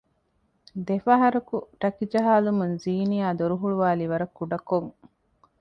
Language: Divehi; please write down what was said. ދެފަހަރަކު ޓަކި ޖަހާލުމުން ޒީނިޔާ ދޮރުހުޅުވާލީ ވަރަށް ކުޑަކޮން